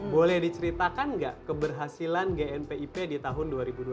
boleh diceritakan nggak keberhasilan gnpip di tahun dua ribu dua puluh